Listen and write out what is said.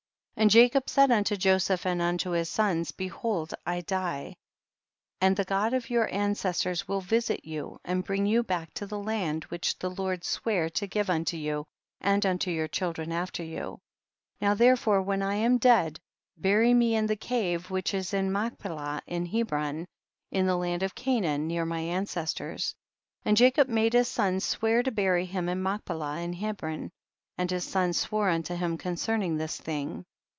3. And Jacob said unto Joseph and unto his sons, behold I die, and the God of )'Our ancestors will visit you, and bring you back to the land, which the Lord sware to give unto you and unto your children after you; now therefore when I am dead, bury me in the cave which is in Machpe lah in Hebron in the land of Canaan, near my ancestors. 4. And Jacob made his sons swear to bury him in Machpelah, in Hebron, and his sons swore unto him concerning this thing.